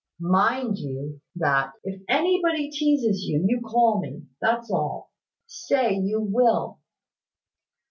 Mind you that. If anybody teases you, you call me, that's all. Say you will."